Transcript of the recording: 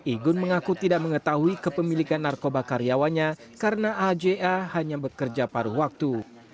igun mengaku tidak mengetahui kepemilikan narkoba karyawannya karena aja hanya bekerja paruh waktu